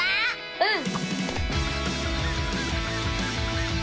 うん！